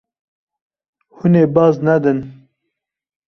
Hûn ê baz nedin.